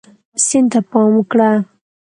سیند ته پام وکړه.